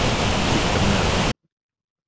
ถิ่นกำเนิด